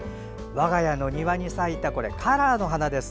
我が家の庭に咲いたカラーの花です。